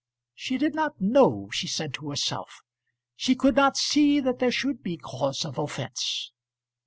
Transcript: "She did not know," she said to herself. "She could not see that there should be cause of offence."